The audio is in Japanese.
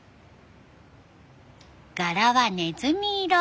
柄はねずみ色。